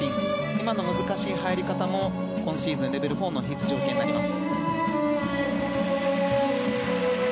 今の難しい入り方も、今シーズンレベル４の必須条件になります。